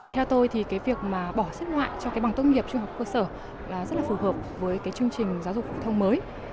theo tôi thì cái việc mà bỏ xếp loại cho cái bằng tốt nghiệp trung học cơ sở là rất là phù hợp với cái chương trình giáo dục phổ thông mới